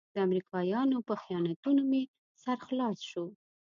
د امریکایانو په خیانتونو مې سر خلاص شو.